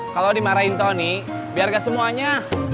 kalau dimarahin tony biar gak semuanya